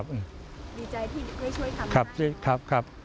ดีใจที่ให้ช่วยทำมาก